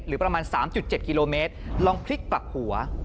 หรือประมาณ๓๗กิโลเมตรลองพลิกปากหัว